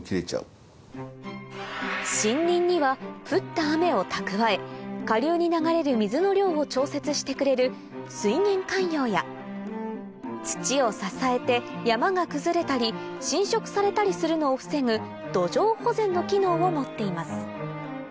森林には降った雨を蓄え下流に流れる水の量を調節してくれる水源涵養や土を支えて山が崩れたり侵食されたりするのを防ぐ土壌保全の機能を持っています